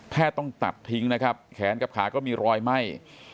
ต้องตัดทิ้งนะครับแขนกับขาก็มีรอยไหม้